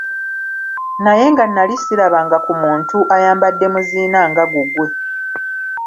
Naye nga nali sirabanga ku muntu ayambadde muziina nga gugwe.